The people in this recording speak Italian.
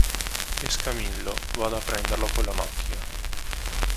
Escamillo vada a prenderlo con la macchina.